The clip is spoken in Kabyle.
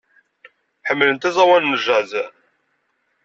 Ḥemmlent aẓawan n jazz.